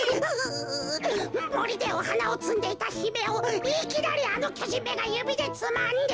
もりでおはなをつんでいたひめをいきなりあのきょじんめがゆびでつまんで。